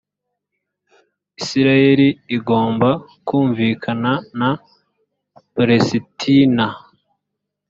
isirayeli igomba kumvikana na palestina